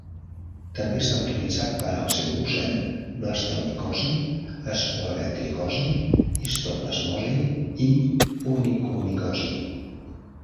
També està autoritzat per al seu ús en blastomicosi, espora tricosi, histoplasmosi i onicomicosi.